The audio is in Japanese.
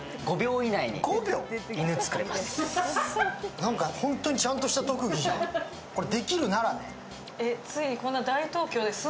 なんか、ホントにちゃんとした特技じゃん。